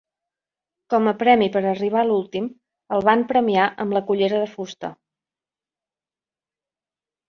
Com a premi per arribar l'últim, li van premiar amb la cullera de fusta.